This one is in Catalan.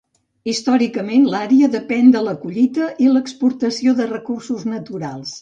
Històricament l'àrea depèn de la collita i l'exportació de recursos naturals.